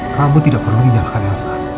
kamu tidak perlu menyalahkan elsa